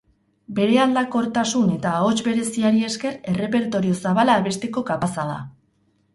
Bere aldakortasun eta ahots bereziari esker, errepertorio zabala abesteko kapaza da.